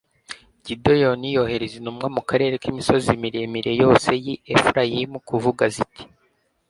gideyoni yohereza intumwa mu karere k'imisozi miremire yose y'i efurayimu kuvuga ziti